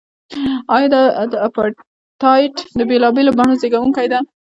دا د اپارټایډ د بېلابېلو بڼو زیږوونکی دی.